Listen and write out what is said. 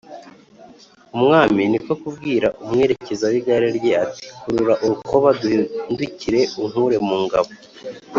Umwami ni ko kubwira umwerekeza w’igare rye ati “Kurura urukoba duhindukire unkure mu ngabo